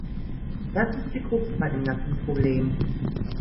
Das ist die Krux bei dem ganzen Problem.